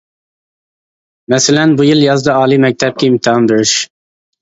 مەسىلەن، بۇ يىل يازدا ئالىي مەكتەپكە ئىمتىھان بېرىش.